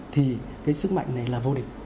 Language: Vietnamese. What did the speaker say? thì cái sức mạnh này là vô địch